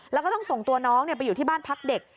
แล้วก็ต้องส่งตัวน้องไปอยู่ที่บ้านพักเด็ก